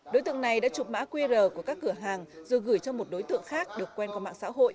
đối tượng này đã chụp mã qr của các cửa hàng rồi gửi cho một đối tượng khác được quen có mạng xã hội